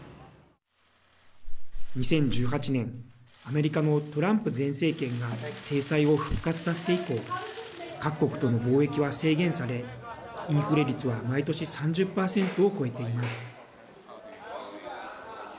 ２０１８年アメリカのトランプ前政権が制裁を復活させて以降各国との貿易は制限されインフレ率は毎年３０％を超えています。